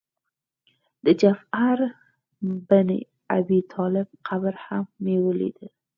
د جعفر بن ابي طالب قبر هم مې ولید.